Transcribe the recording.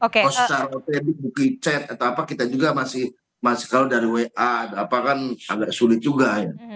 kalau secara otetik bukti chat atau apa kita juga masih kalau dari wa agak sulit juga ya